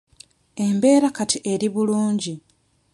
Embeera kati eri bulungi.